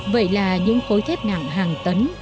vậy là những khối thép nặng hàng tấn